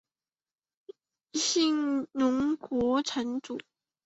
信浓国城主。